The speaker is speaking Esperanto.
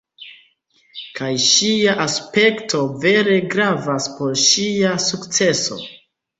Kaj ŝia aspekto vere gravas por ŝia sukceso.